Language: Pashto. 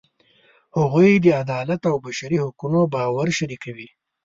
هغوی د عدالت او بشري حقونو باور شریکوي.